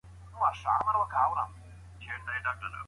زما په سر کې سپين ويښتان پيدا شول.